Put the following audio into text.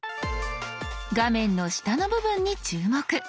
画面の下の部分に注目。